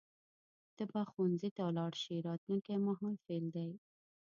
ته به ښوونځي ته لاړ شې راتلونکي مهال فعل دی.